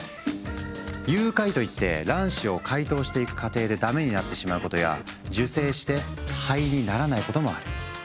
融解といって卵子を解凍していく過程でダメになってしまうことや受精して胚にならないこともある。